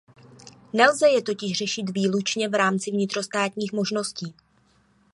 Nelze je totiž řešit výlučně v rámci vnitrostátních možností.